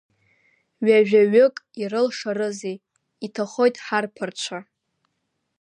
Ҩажәаҩык ирылшарызеи, иҭахоит ҳарԥарацәа!